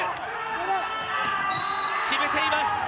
決めています。